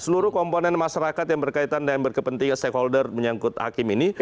seluruh komponen masyarakat yang berkaitan dan berkepentingan stakeholder menyangkut hakim ini